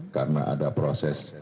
karena ada proses